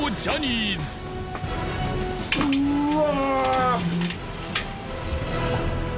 うわ！